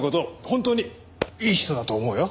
本当にいい人だと思うよ。